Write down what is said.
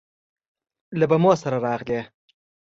له بمو سره راغلې